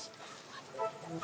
dengar ini pak